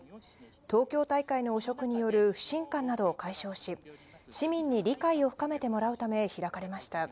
東京大会の汚職による不信感などを解消し、市民に理解を深めてもらうため開かれました。